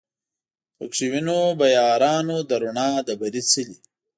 پکښی وینو به یارانو د رڼا د بري څلی